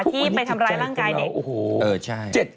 ที่ไปทำร้ายร่างกายเด็ก